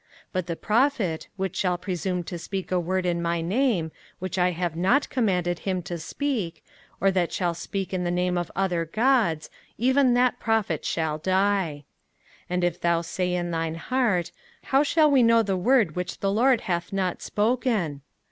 05:018:020 But the prophet, which shall presume to speak a word in my name, which I have not commanded him to speak, or that shall speak in the name of other gods, even that prophet shall die. 05:018:021 And if thou say in thine heart, How shall we know the word which the LORD hath not spoken?